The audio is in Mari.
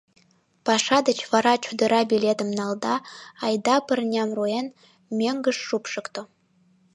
Паша деч вара чодыра билетым налда, айда пырням руэн, мӧҥгыш шупшыкто.